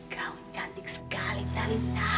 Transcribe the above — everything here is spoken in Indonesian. gaun cantik sekali talitha